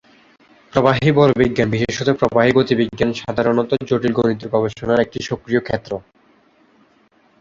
প্রবাহী বলবিজ্ঞান, বিশেষত প্রবাহী গতিবিজ্ঞান, সাধারণত জটিল গণিতের গবেষণার একটি সক্রিয় ক্ষেত্র।